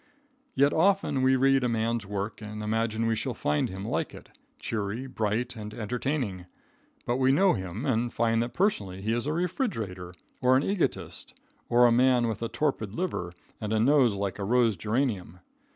Very often we read a man's work and imagine we shall find him like it, cheery, bright and entertaining; but we know him and find that personally he is a refrigerator, or an egotist, or a man with a torpid liver and a nose like a rose geranium.